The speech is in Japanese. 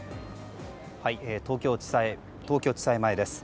東京地裁前です。